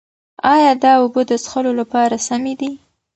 ایا دا اوبه د څښلو لپاره سمې دي؟